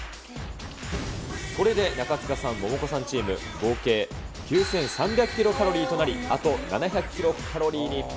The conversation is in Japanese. これで中務さん、モモコさんチーム、合計９３００キロカロリーとなり、あと７００キロカロリーに。